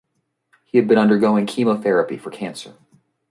He had been undergoing chemotherapy for cancer.